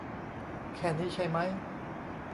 แค่นี้ใช่มั้ย ?